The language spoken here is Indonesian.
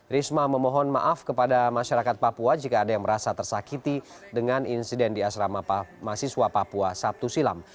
risma memohon maaf kepada masyarakat papua jika ada yang merasa tersakiti dengan insiden di asrama mahasiswa papua sabtu silam